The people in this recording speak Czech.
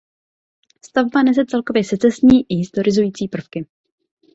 Stavba nese celkově secesní i historizující prvky.